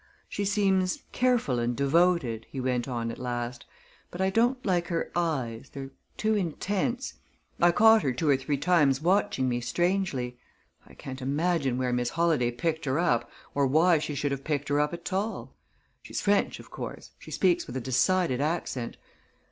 "She seems careful and devoted," he went on, at last, "but I don't like her eyes. They're too intense. I caught her two or three times watching me strangely. I can't imagine where Miss Holladay picked her up, or why she should have picked her up at all. She's French, of course she speaks with a decided accent.